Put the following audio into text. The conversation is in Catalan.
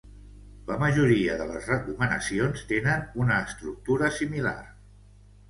La majoria de les recomanacions tenen una estructura similar.